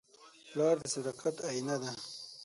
پلار د صداقت آیینه ده.